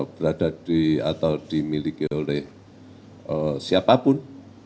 berada di atau dimiliki oleh siapapun